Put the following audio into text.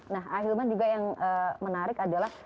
nah ahilman juga yang menarik adalah